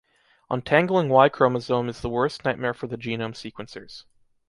Untangling Y-chromosome is the worst nightmare for the genome sequencers.